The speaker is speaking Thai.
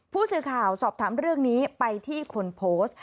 ผู้สื่อข่าวสอบถามเรื่องนี้ไปที่คนโพสต์